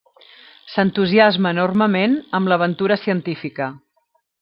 S'entusiasma enormement amb l'aventura científica.